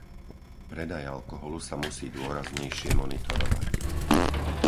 Predaj alkoholu sa musí dôraznejšie monitorovať.